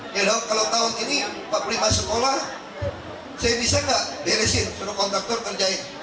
ya dok kalau tahun ini empat puluh lima sekolah saya bisa nggak beresin sudah kontraktor kerjain